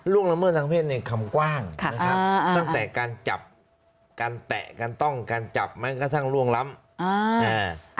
ล่วงละเมิดทางเพศคำกว้างตั้งแต่การจับการแตะการต้องการจับมันก็สร้างล่วงล้ำ